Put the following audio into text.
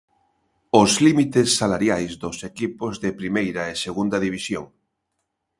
Os límites salariais dos equipos de primeira e Segunda División.